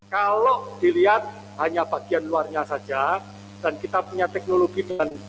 kalau dilihat hanya bagian luarnya saja dan kita punya teknologi dan